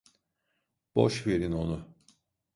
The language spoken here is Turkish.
Boş verin onu.